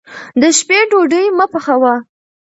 د شپې ډوډۍ مه پخوه.